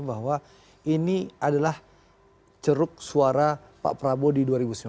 bahwa ini adalah ceruk suara pak prabowo di dua ribu sembilan belas